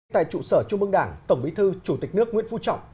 tại trụ sở trung mương đảng tổng bí thư chủ tịch nước nguyễn phú trọng